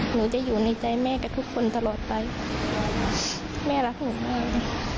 หนูจะอยู่ในใจแม่กับทุกคนตลอดไปแม่รักหนูมาก